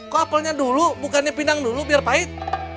kok apelnya dulu bukannya pinang dulu biar pahit